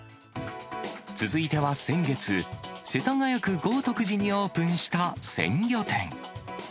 続いては先月、世田谷区豪徳寺にオープンした鮮魚店。